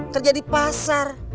kerja di pasar